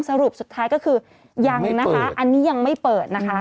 สรุปสุดท้ายก็คือยังนะคะอันนี้ยังไม่เปิดนะคะ